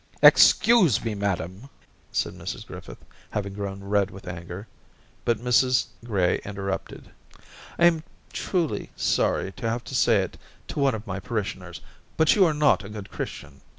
*' Excuse me, madam.* ... said Mrs Griffith, having grown red with anger ; but Mrs Gray interrupted. ' I am truly sorry to have to say it to one of my parishioners, but you are not a good Christian.